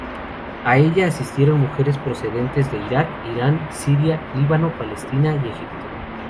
A ella asistieron mujeres procedentes de Iraq, Irán, Siria, Líbano, Palestina y Egipto.